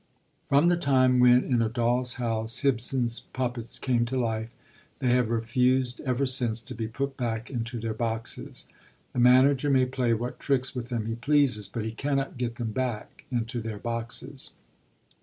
_ From the time when, in A Doll's House, Ibsen's puppets came to life, they have refused ever since to be put back into their boxes. The manager may play what tricks with them he pleases, but he cannot get them back into their boxes.